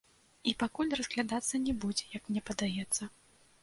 І пакуль разглядацца не будзе, як мне падаецца.